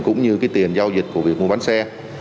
cũng như cái tiền giao dịch của việc mua bán xe